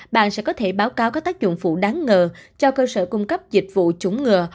bạn sẽ có thể báo cáo các tác dụng phụ đáng ngờ cho cơ sở cung cấp dịch vụ chống ngừa